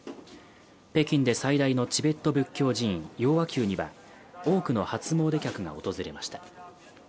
北京で最大のチベット仏教寺院雍和宮には多くの初詣客が訪れました。